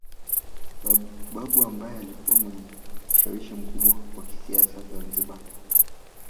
Babu ambaye alikuwa mwenye ushawishi mkubwa wa kisiasa Zanzibar